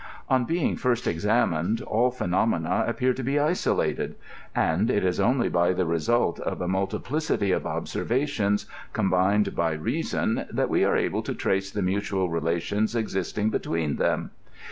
On being first examined, all phenomena appear to be INTRODUCTION. 49 isolated, and it is only by the result of a mtdtiplicity of obser vations, combined by reason, that we are able to trace the mutual relations existing between them.